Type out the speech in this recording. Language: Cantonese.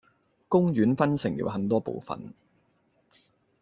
公園分成了很多部分